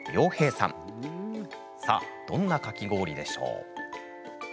さあどんなかき氷なんでしょう？